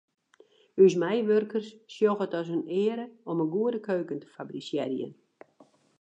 Us meiwurkers sjogge it as in eare om in goede keuken te fabrisearjen.